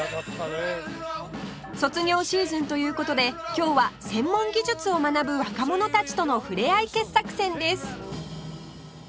卒業シーズンという事で今日は専門技術を学ぶ若者たちとのふれあい傑作選です